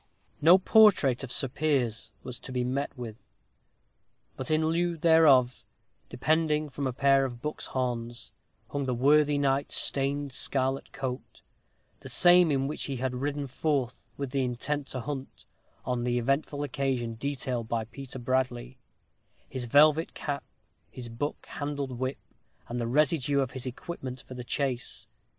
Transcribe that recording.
No portrait of Sir Piers was to be met with. But in lieu thereof, depending from a pair of buck's horns, hung the worthy knight's stained scarlet coat the same in which he had ridden forth, with the intent to hunt, on the eventful occasion detailed by Peter Bradley, his velvet cap, his buck handled whip, and the residue of his equipment for the chase.